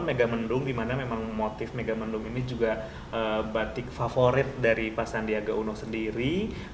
megamendung di mana motif megamendung ini juga batik favorit dari pak sandiaga uno sendiri